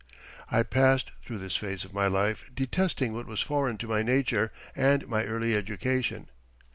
I passed through this phase of my life detesting what was foreign to my nature and my early education.